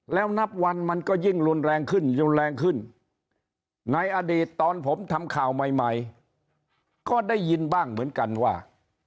แล้วนับวันมันก็ยิ่งรุนแรงขึ้นรุนแรงขึ้นในอดีตตอนผมทำข่าวใหม่ก็ได้ยินบ้างเหมือนกันว่า